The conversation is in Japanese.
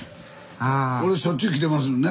俺しょっちゅう来てますもんね